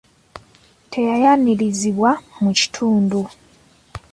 Teyayanirizibwa mu kitundu.